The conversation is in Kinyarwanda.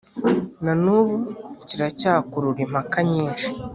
na n’ubu kiracyakurura impaka nyinshi